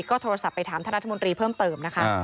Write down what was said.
ก็โทรศัพท์ไปถามท่านรัฐมนตรีเพิ่มเติมนะคะ